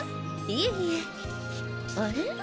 いえいえあれ？